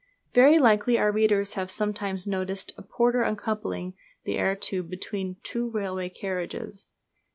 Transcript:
Very likely our readers have sometimes noticed a porter uncoupling the air tube between two railway carriages.